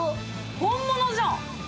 本物じゃん！